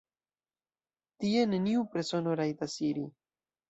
Tie neniu persono rajtas iri.